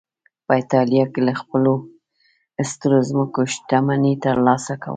په اېټالیا کې له خپلو سترو ځمکو شتمني ترلاسه کوله